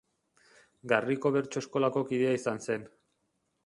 Garriko bertso-eskolako kidea izan zen.